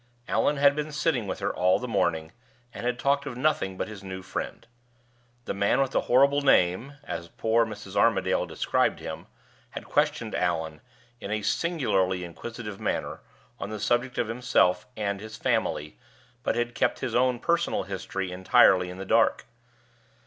Allan had been sitting with her all the morning, and had talked of nothing but his new friend. The man with the horrible name (as poor Mrs. Armadale described him) had questioned Allan, in a singularly inquisitive manner, on the subject of himself and his family, but had kept his own personal history entirely in the dark.